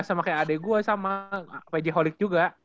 ya sama kayak adek gue sama pjholic juga